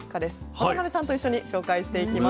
渡辺さんと一緒に紹介していきます。